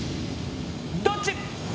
どっち⁉